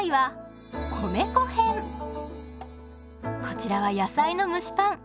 こちらは野菜の蒸しパン。